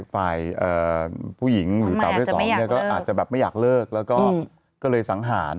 ฝ่ายผู้หญิงหรือสาวเพศ๒เนี่ยก็อาจจะแบบไม่อยากเลิกแล้วก็ก็เลยสังหาร